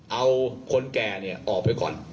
เอาคนแก่ออกไปก่อน